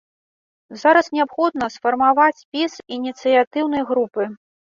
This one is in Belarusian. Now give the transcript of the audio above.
Зараз неабходна сфармаваць спіс ініцыятыўнай групы.